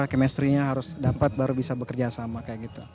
kemestrinya harus dapat baru bisa bekerja sama kayak gitu